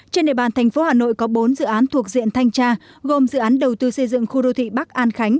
trên địa bàn thành phố hà nội có bốn dự án thuộc diện thanh tra gồm dự án đầu tư xây dựng khu đô thị bắc an khánh